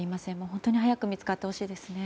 本当に早く見つかってほしいですね。